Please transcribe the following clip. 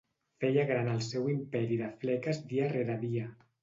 Feia gran el seu imperi de fleques dia rere dia.